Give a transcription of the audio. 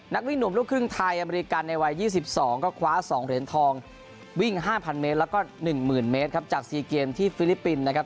นักวิ่งหนุ่มลูกครึ่งไทยอเมริกันในวัย๒๒ก็คว้า๒เหรียญทองวิ่ง๕๐๐เมตรแล้วก็๑๐๐เมตรครับจาก๔เกมที่ฟิลิปปินส์นะครับ